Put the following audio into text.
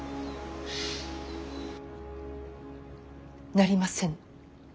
なりませぬ。